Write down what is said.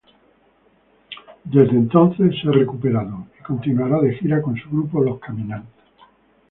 Desde entonces, se ha recuperado y continuará de gira con su grupo Los Caminantes.